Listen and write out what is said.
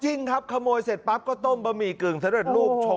จริงครับขโมยเสร็จปั๊บก็ต้มบะหมี่กึ่งสำเร็จรูป